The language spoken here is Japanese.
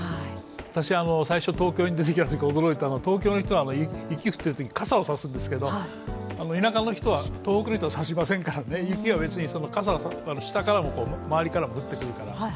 私、最初、東京に出てきたときに驚いたのは東京の人は雪降っているとき、傘を差すんですけど、東北の人は差しませんので、雪は下からも周りからも降ってくるから。